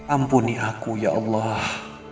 ampuni aku ya allah